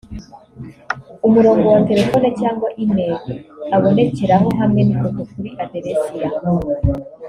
umurongo wa telefoni cyangwa e-mail abonekeraho hamwe n’ifoto kuri aderesi ya